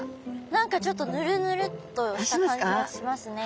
何かちょっとヌルヌルっとした感じがしますね。